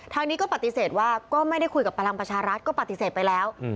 ทางนี้ก็ปฏิเสธว่าก็ไม่ได้คุยกับพลังประชารัฐก็ปฏิเสธไปแล้ว